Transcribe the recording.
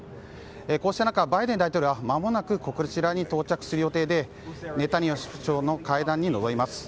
こうした中、バイデン大統領はまもなくこちらに到着する予定でネタニヤフ首相との会談に臨みます。